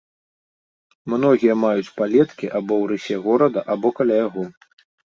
Многія маюць палеткі або ў рысе горада, або каля яго.